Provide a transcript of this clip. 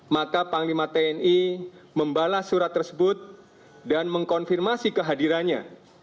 maka panglima tni membalas surat tersebut dan mengkonfirmasi kehadirannya